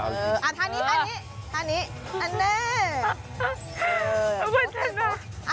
อ่าทางนี้ทางนี้อันนอะ